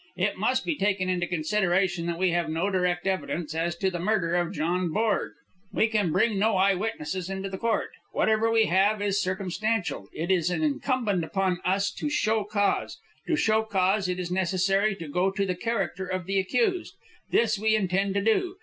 It must be taken into consideration that we nave no direct evidence as to the murder of John Borg. We can bring no eye witnesses into court. Whatever we have is circumstantial. It is incumbent upon us to show cause. To show cause it is necessary to go into the character of the accused. This we intend to do.